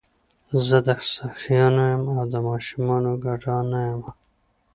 زه د سخیانو یم او د شومانو ګدا نه یمه.